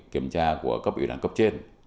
kiểm tra của cấp ủy đảng cấp trên